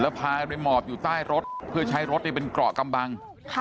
แล้วพารีมอร์ฟอยู่ใต้รถเพื่อใช้รถได้เป็นเกราะกำบัง